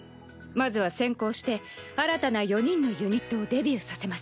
まずは先行して新たな４人のユニットをデビューさせます。